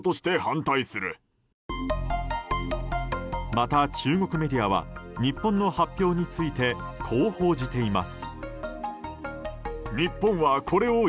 また中国メディアは日本の発表についてこう報じています。